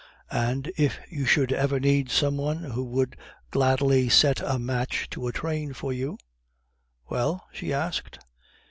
"And if you should ever need some one who would gladly set a match to a train for you " "Well?" she asked.